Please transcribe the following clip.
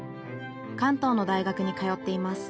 関東の大学に通っています。